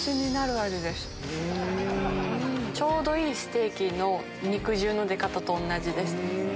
ちょうどいいステーキの肉汁の出方と同じですね。